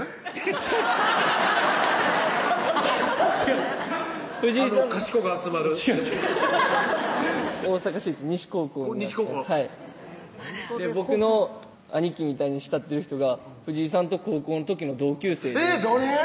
違う違う違うあのかしこが集まる違う違う大阪市立西高校西高校あら僕の兄貴みたいに慕ってる人が藤井さんと高校の時の同級生でえっ誰？